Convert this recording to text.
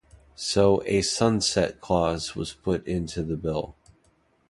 So a "sunset clause" was put in the bill.